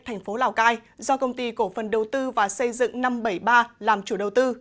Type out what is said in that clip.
thành phố lào cai do công ty cổ phần đầu tư và xây dựng năm trăm bảy mươi ba làm chủ đầu tư